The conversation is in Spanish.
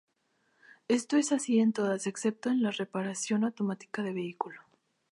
Esto es así en todas excepto en la reparación automática de vehículo.